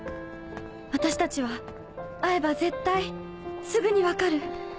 私たちは会えば絶対すぐに分かる。